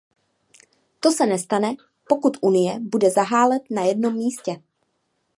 To se nestane, pokud Unie bude zahálet na jednom místě.